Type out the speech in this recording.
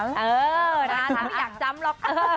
เออน่าจะไม่อยากจำหรอกค่ะ